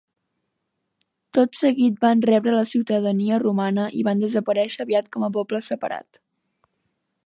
Tot seguit van rebre la ciutadania romana i van desaparèixer aviat com a poble separat.